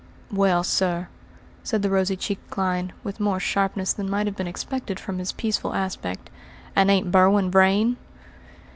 "Well, sir," said the rosy cheeked Clyne, with more sharpness than might have been expected from his peaceful aspect, "and ain't Berwin Vrain?"